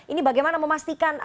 ini bagaimana memastikan